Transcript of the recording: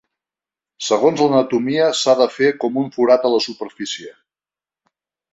Segons l'anatomia s'ha de fer com un forat a la superfície.